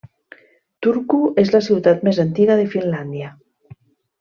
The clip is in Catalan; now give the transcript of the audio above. Turku és la ciutat més antiga de Finlàndia.